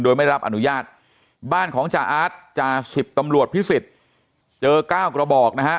โดยไม่รับอนุญาตบ้านของจ่าอาร์ตจ่าสิบตำรวจพิสิทธิ์เจอเก้ากระบอกนะฮะ